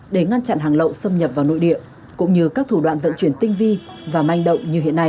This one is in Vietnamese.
để ngăn chặn hàng lậu xâm nhập vào nội địa cũng như các thủ đoạn vận chuyển tinh vi và manh động như hiện nay